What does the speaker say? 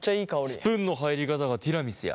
スプーンの入り方がティラミスや。